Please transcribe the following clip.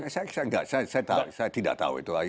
saya tidak tahu itu